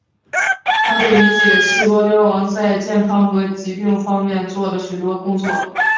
他对理解细胞凋亡在健康和疾病方面做了许多工作。